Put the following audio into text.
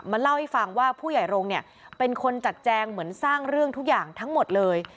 เล่าให้ฟังว่าผู้ใหญ่โรงเนี่ยเป็นคนจัดแจงเหมือนสร้างเรื่องทุกอย่างทั้งหมดเลย